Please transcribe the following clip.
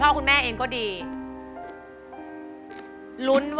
ถ้าพร้อมอินโทรเพลงที่สี่มาเลยครับ